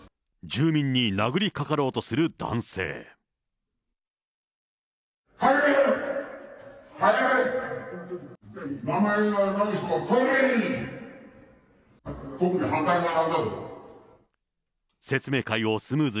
住民に殴りかかろうとする男帰れー！